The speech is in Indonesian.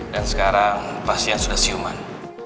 dan sekarang pasien sudah siuman